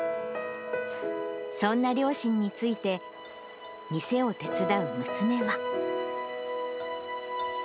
そんな両親について、店を手伝う娘は。